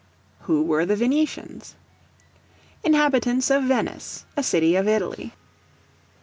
Who were the Venetians? Inhabitants of Venice, a city of Italy.